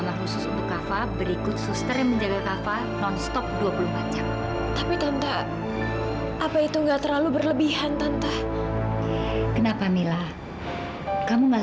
mirip sekali dengan bapaknya